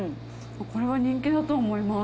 これは人気だと思います。